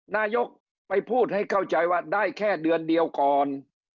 นายกไปพูดให้เข้าใจว่าได้แค่เดือนเดียวก่อน